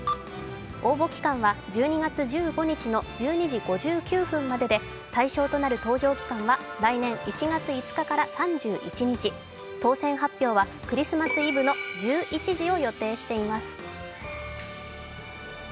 応募期間は１２月１５日の１２時５９分までで、対象となる搭乗期間は来年１月５日から３１日、当選発表はクリスマスイブの１１時を予定しています。